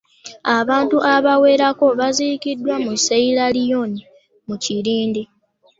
Abantu abawerako baziikiddwa mu Sierra Leone mu kirindi.